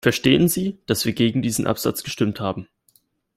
Verstehen Sie, dass wir gegen diesen Absatz gestimmt haben.